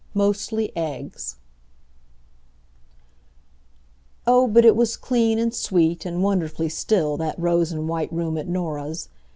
MOSTLY EGGS Oh, but it was clean, and sweet, and wonderfully still, that rose and white room at Norah's!